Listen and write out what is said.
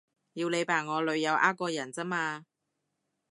要你扮我女友呃個人咋嘛